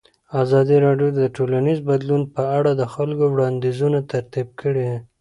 ازادي راډیو د ټولنیز بدلون په اړه د خلکو وړاندیزونه ترتیب کړي.